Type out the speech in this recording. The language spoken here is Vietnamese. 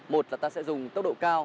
một là ta sẽ dùng tốc độ cao